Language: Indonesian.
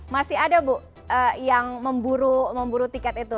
masih ada bu yang memburu tiket itu